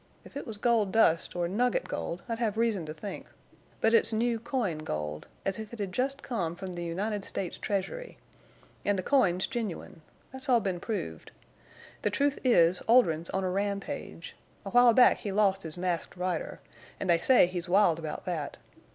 If it was gold dust or nugget gold I'd hev reason to think, but it's new coin gold, as if it had jest come from the United States treasury. An' the coin's genuine. Thet's all been proved. The truth is Oldrin's on a rampage. A while back he lost his Masked Rider, an' they say he's wild about thet.